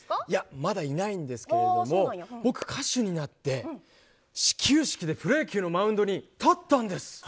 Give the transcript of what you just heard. いやまだいないんですけれども僕歌手になって始球式でプロ野球のマウンドに立ったんです。